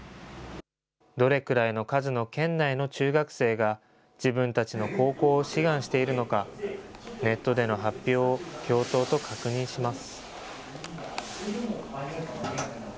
どれくらいの数の県内の中学生が自分たちの高校を志願しているのか、ネットでの発表を教頭と確認します。